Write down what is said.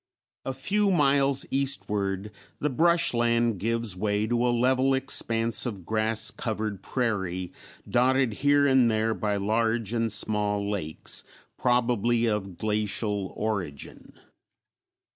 A few miles eastward the brushland gives way to a level expanse of grass covered prairie dotted here and there by large and small lakes probably of glacial origin.